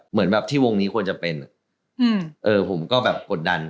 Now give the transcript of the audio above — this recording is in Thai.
เหมือนแบบที่วงนี้ควรจะเป็นผมก็แบบกดดัน